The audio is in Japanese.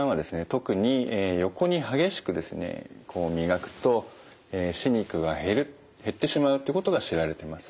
特に横に激しくですねこう磨くと歯肉が減る減ってしまうということが知られています。